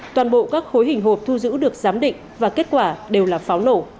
toàn bộ các khối hình hộp thu giữ được giám định và kết quả đều là pháo nổ